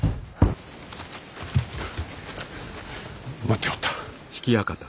待っておった。